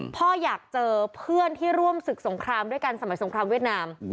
พ่ออยากเจอเพื่อนที่ร่วมศึกสงครามด้วยกันสมัยสงครามเวียดนาม